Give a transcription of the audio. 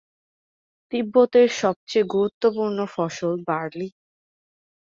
তিব্বত সবচেয়ে গুরুত্বপূর্ণ ফসল বার্লি।